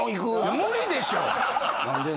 無理でしょ。